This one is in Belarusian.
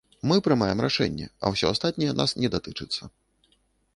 Мы прымаем рашэнне, а ўсё астатняе нас не датычыцца.